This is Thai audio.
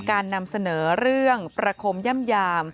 การนำเสนอเรื่องประคมย่ำยาม